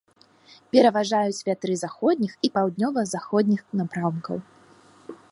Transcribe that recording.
Пераважаюць вятры заходніх і паўднёва-заходніх напрамкаў.